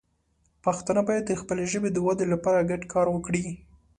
پښتانه باید د خپلې ژبې د وده لپاره ګډ کار وکړي.